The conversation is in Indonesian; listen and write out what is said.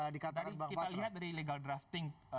bukan karena kita lihat dari legal drafting